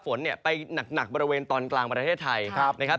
ฝนเนี่ยไปหนักบริเวณตอนกลางประเทศไทยนะครับ